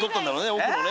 奥のね